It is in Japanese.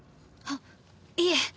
あっいいえ。